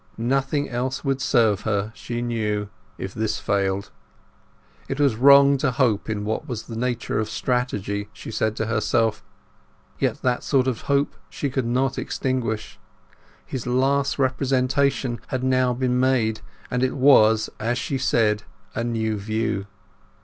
Nothing else would serve her, she knew, if this failed. It was wrong to hope in what was of the nature of strategy, she said to herself: yet that sort of hope she could not extinguish. His last representation had now been made, and it was, as she said, a new view.